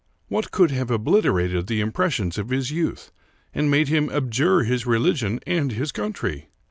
What could have obliterated the impressions of his youth and made him abjure his religion and his country?